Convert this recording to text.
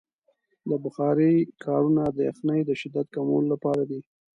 د بخارۍ کارونه د یخنۍ د شدت کمولو لپاره دی.